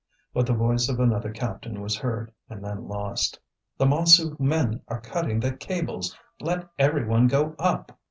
But the voice of another captain was heard and then lost: "The Montsou men are cutting the cables! Let every one go up!"